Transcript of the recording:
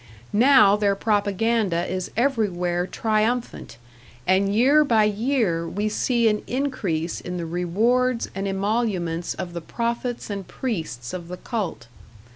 Now their propaganda is everywhere triumphant, and year by year we see an increase in the rewards and emoluments of the prophets and priests of the cult.